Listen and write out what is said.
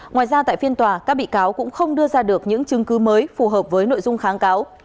ngoài ra tại phiên tòa các bị cáo cũng không đưa ra được những chứng cứ mới phù hợp với nội dung kháng cáo